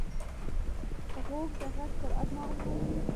غوږ د غږ سرعت معلوموي.